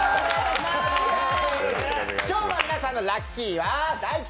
今日の皆さんのラッキーは大吉！